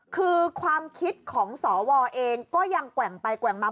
คือความคิดของสวเองก็ยังแกว่งไปแกว่งมา